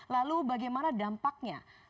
lalu bagaimana dampaknya